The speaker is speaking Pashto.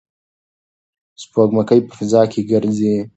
سپوږمکۍ په فضا کې ګرځي.